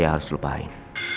saya harus lupain